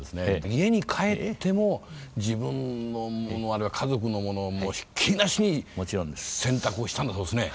家に帰っても自分のものあるいは家族のものをひっきりなしに洗濯をしたんだそうですね。